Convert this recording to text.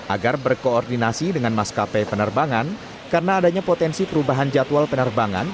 agar berkoordinasi dengan maskapai penerbangan karena adanya potensi perubahan jadwal penerbangan